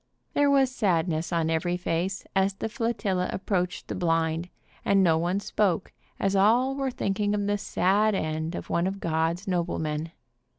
There was sadness on every face as the flotilla ap proached the blind, and no one spoke, as all were thinking of the sad end of one of God's noblemen.